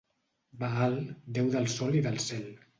Baal, déu del Sol i del Cel.